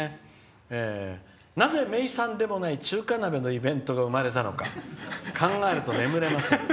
「なぜ、名産でもない中華鍋のイベントが生まれたのか考えると眠れません。